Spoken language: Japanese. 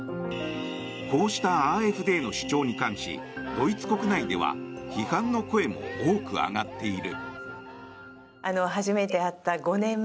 こうしたＡｆＤの主張に関しドイツ国内では批判の声も多く上がっている。